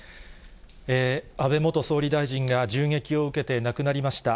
安倍元総理大臣が銃撃を受けて亡くなりました。